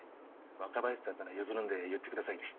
若林さんになら譲るんで言ってくださいね。